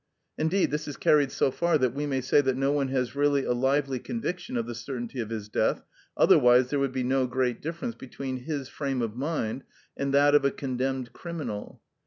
Indeed this is carried so far that we may say that no one has really a lively conviction of the certainty of his death, otherwise there would be no great difference between his frame of mind and that of a condemned criminal.